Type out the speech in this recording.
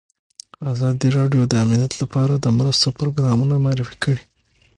ازادي راډیو د امنیت لپاره د مرستو پروګرامونه معرفي کړي.